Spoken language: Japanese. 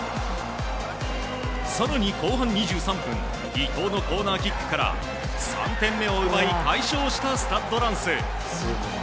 更に後半２３分伊東のコーナーキックから３点目を奪い快勝したスタッド・ランス。